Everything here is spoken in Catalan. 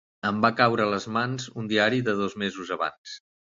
Em va caure a les mans un diari de dos mesos abans